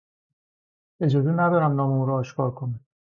اجازه ندارم نام او را آشکار کنم.